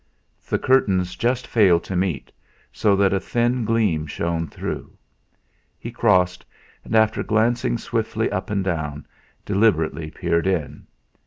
The curtains just failed to meet, so that a thin gleam shone through. He crossed; and after glancing swiftly up and down, deliberately peered in.